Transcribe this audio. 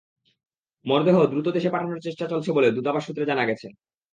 মরদেহ দ্রুত দেশে পাঠানোর চেষ্টা চলছে বলে দূতাবাস সূত্রে জানা গেছে।